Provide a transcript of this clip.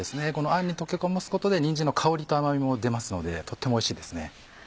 このあんに溶け込ますことでにんじんの香りと甘みも出ますのでとってもおいしいですね。